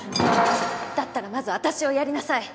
だったらまず私をやりなさい。